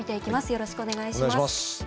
よろしくお願いします。